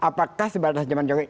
apakah sebatas jaman cowok